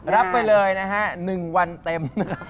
รับไปเลยนะฮะ๑วันเต็ม